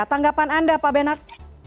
tanggapan anda pak benar